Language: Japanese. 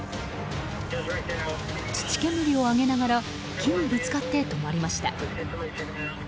土煙を上げながら木にぶつかって止まりました。